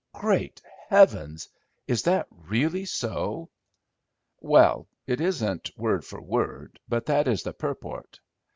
"Great heavens! is that really so?" "Well, it isn't word for word, but that is the purport.